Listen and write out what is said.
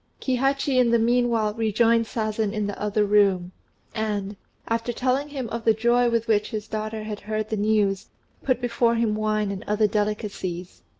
Kihachi in the meanwhile rejoined Sazen in the other room, and, after telling him of the joy with which his daughter had heard the news, put before him wine and other delicacies.